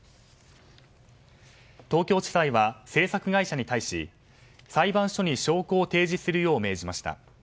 東京地裁は制作会社に対し裁判所に証拠を提示するよう命じました。